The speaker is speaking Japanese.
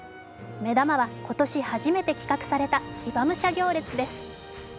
目玉は、今年初めて企画された騎馬武者行列です。